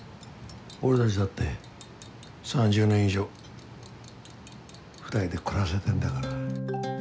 俺たちだって３０年以上２人で暮らせてんだから。